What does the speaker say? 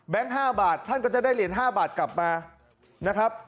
๕บาทท่านก็จะได้เหรียญ๕บาทกลับมานะครับ